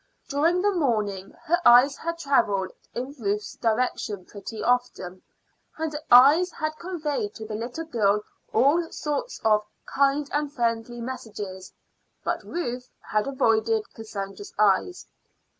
During the morning her eyes had travelled in Ruth's direction pretty often, and her eyes had conveyed to the little girl all sorts of kind and friendly messages. But Ruth had avoided Cassandra's eyes.